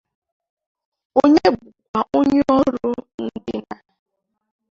onye bụkwa onye ọrụ Injinia